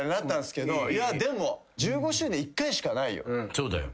そうだよ。